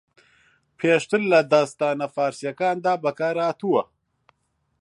پێشتر لە داستانە فارسییەکاندا بەکارھاتوە